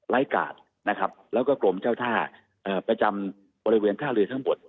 กาดนะครับแล้วก็กรมเจ้าท่าประจำบริเวณท่าเรือทั้งหมด